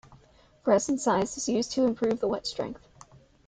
Resin size is used to improve the wet strength.